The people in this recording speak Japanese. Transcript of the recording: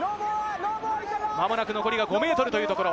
まもなく残りが５ｍというところ。